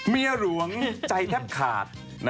เมียหลวงใจแทบขาด